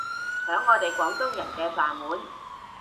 搶我哋廣東人嘅飯碗